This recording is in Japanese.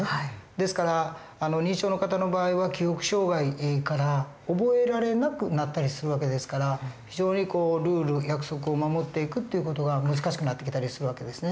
ですから認知症の方の場合は記憶障害から覚えられなくなったりする訳ですから非常にルール約束を守っていくっていう事が難しくなってきたりする訳ですね。